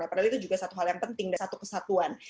padahal itu juga satu hal yang penting dan satu kesatuan